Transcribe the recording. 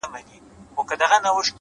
د سر په سترگو چي هغه وينمه؛